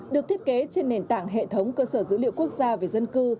được thiết kế trên nền tảng hệ thống cơ sở dữ liệu quốc gia về dân cư